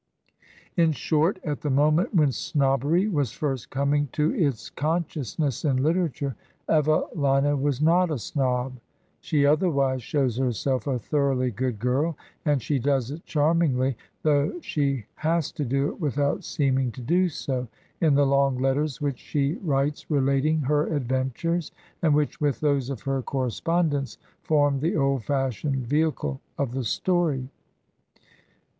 In short, at the moment when snobbery was first coming to its con sciousness in literature Evelina was not a snob. She otherwise shows herself a thoroughly good girl, and she does it charmingly, though she has to do it without seeming to do so, in the long letters which she writes relating her adventures and which, with those of her correspondents, form the old fashioned vehicle of the story.